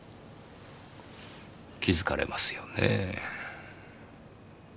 気づかれますよねえ。